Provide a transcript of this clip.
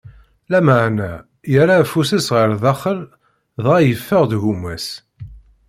Lameɛna yerra afus-is ɣer daxel, dɣa yeffeɣ-d gma-s.